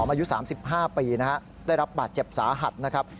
อายุ๓๕ปีนะฮะได้รับบาดเจ็บสาหัสนะครับ